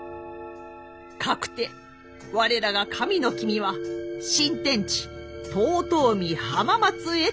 かくて我らが神の君は新天地遠江・浜松へとお移りに。